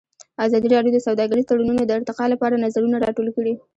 ازادي راډیو د سوداګریز تړونونه د ارتقا لپاره نظرونه راټول کړي.